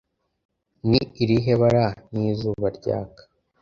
Ni irihe bara ni izuba ryaka